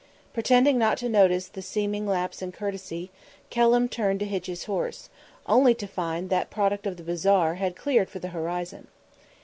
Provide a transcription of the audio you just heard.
Pretending not to notice the seeming lapse in courtesy, Kelham turned to hitch his horse, only to find that that product of the bazaar had cleared for the horizon.